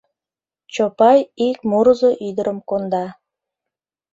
Чопай ик мурызо ӱдырым конда.